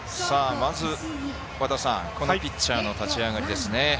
まずこのピッチャーの立ち上がりですね。